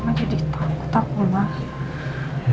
sama jadi takut takuna